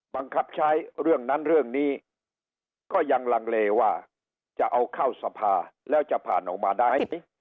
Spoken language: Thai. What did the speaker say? บังคับใช้เรื่องนั้นเรื่องนี้ก็ยังลังเลว่าจะเอาเข้าสภาแล้วจะผ่านออกมาได้